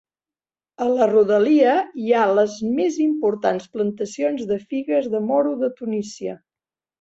A la rodalia hi ha les més importants plantacions de figues de moro de Tunísia.